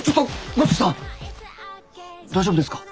大丈夫ですか？